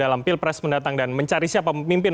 dalam pilpres mendatang dan mencari siapa pemimpin